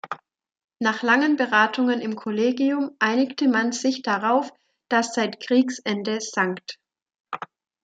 Nach langen Beratungen im Kollegium einigte man sich darauf, das seit Kriegsende „St.